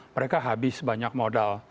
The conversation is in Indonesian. mereka habis banyak modal